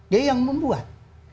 dia yang membuat